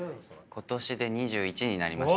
今年で２１になりました。